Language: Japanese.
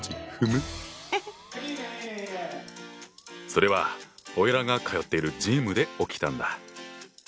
それはオイラが通っているジムで起きたんだ。